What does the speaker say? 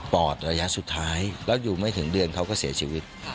อดระยะสุดท้ายแล้วอยู่ไม่ถึงเดือนเขาก็เสียชีวิต